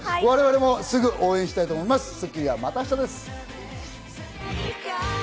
我々もすぐ応援したいと思います。